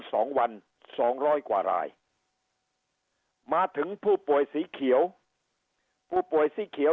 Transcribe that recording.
สองวันสองร้อยกว่ารายมาถึงผู้ป่วยสีเขียวผู้ป่วยสีเขียว